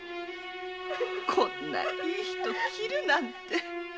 こんなにいい人を斬るなんて。